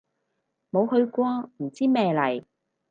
冇去過唔知咩嚟